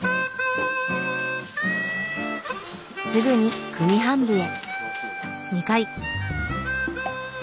すぐに組み版部へ。